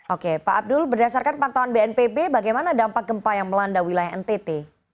oke pak abdul berdasarkan pantauan bnpb bagaimana dampak gempa yang melanda wilayah ntt